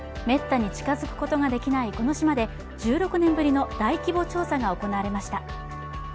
めったに近づくことができないこの島で１６年ぶりの大規模調査が行われました。